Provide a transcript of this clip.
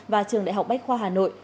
và trường đại học bách khoa hà nội